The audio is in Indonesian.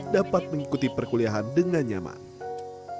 dapat mengikuti perkuliahan dengan nyaman